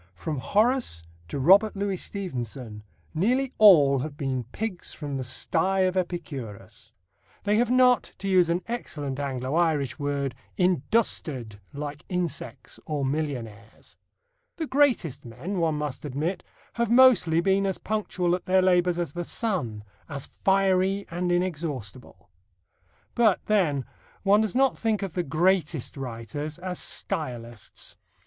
From Horace to Robert Louis Stevenson, nearly all have been pigs from the sty of Epicurus. They have not, to use an excellent Anglo Irish word, "industered" like insects or millionaires. The greatest men, one must admit, have mostly been as punctual at their labours as the sun as fiery and inexhaustible. But, then, one does not think of the greatest writers as stylists.